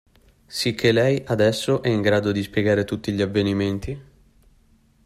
Sicché lei, adesso, è in grado di spiegare tutti gli avvenimenti?